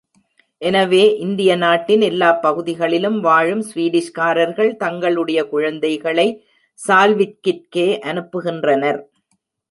எனவே, இந்திய நாட்டின் எல்லாப் பகுதிகளிலும் வாழும் ஸ்வீடிஷ்காரர்கள், தங்களுடைய குழந்தைகளை சால்விக் கிற்கே அனுப்புகின்றனர்.